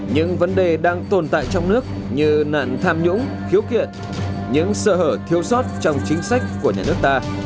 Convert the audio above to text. những vấn đề đang tồn tại trong nước như nạn tham nhũng khiếu kiện những sơ hở thiếu sót trong chính sách của nhà nước ta